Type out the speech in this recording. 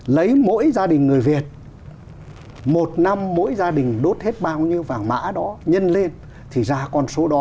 lấy mỗi gia đình người việt một năm mỗi gia đình đốt hết bao nhiêu vàng mã đó nhân lên thì ra con số đó